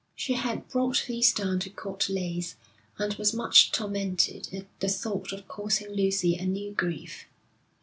She had brought these down to Court Leys, and was much tormented at the thought of causing Lucy a new grief.